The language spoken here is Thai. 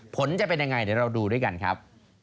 ผลจะเป็นยังไงเดี๋ยวเราดูด้วยกันครับ